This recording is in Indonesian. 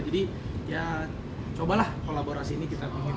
jadi ya cobalah kolaborasi ini kita bikin